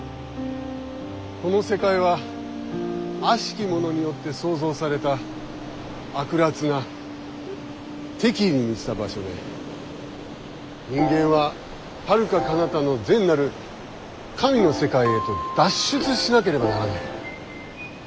この世界はあしき者によって創造された悪辣な敵意に満ちた場所で人間ははるかかなたの善なる神の世界へと脱出しなければならない。